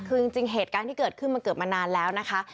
คือจริงเหตุการณ์ที่เกิดขึ้นมันเกิดมานานแล้วนะคะ